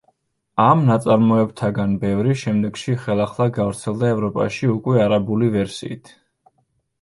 ამ ნაწარმოებთაგან ბევრი შემდეგში ხელახლა გავრცელდა ევროპაში უკვე არაბული ვერსიით.